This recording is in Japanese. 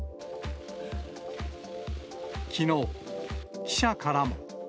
きのう、記者からも。